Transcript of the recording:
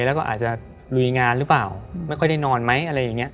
แล้วก็อาจจะลุยงานหรือเปล่าไม่ค่อยได้นอนไหมอะไรอย่างนี้